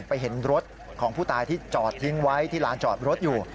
ไปเห็นรถของผู้ตายที่จอดทิ้งไว้ที่ลานจอดรถอยู่